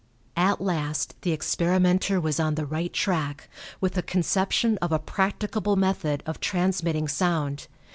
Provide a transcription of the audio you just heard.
At last the experimenter was on the right track, with a conception of a practicable method of transmitting sound.